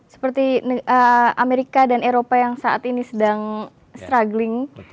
seperti amerika dan eropa yang saat ini sedang struggling